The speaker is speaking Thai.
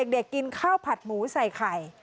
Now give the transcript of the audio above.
กินข้าวผัดหมูใส่ไข่